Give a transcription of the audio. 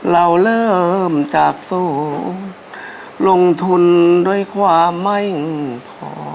เราเริ่มจากสูงลงทุนโดยความไม่พอ